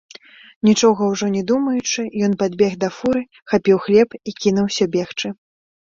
Нічога ўжо не думаючы, ён падбег да фуры, хапіў хлеб і кінуўся бегчы.